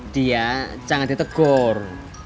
dia jangan ditegur